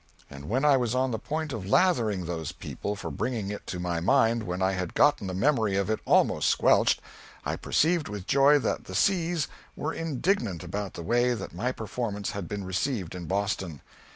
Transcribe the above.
And when I was on the point of lathering those people for bringing it to my mind when I had gotten the memory of it almost squelched, I perceived with joy that the C.'s were indignant about the way that my performance had been received in Boston.